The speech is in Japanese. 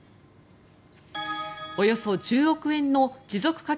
およそ１０億円の持続化